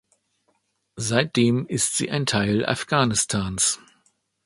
Seitdem ist sie ein Teil Afghanistans.